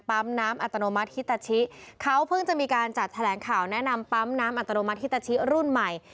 น้ำอัตโนมัติฮิตาชิเขาเพิ่งจะมีการจัดแถลงข่าวแนะนำปั๊มน้ำอัตโนมัธิตาชิรุ่นใหม่